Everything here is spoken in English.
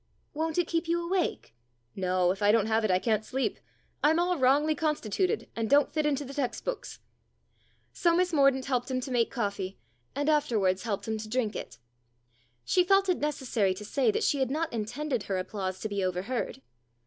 " Won't it keep you awake ?" "No. If I don't have it I can't sleep. I'm all wrongly constituted, and don't fit into the text books." So Miss Mordaunt helped him to make coffee, and afterwards helped him to drink it. She felt it necessary to say that she had not intended her applause to be overheard.